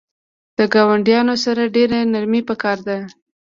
د ګاونډیانو سره ډیره نرمی پکار ده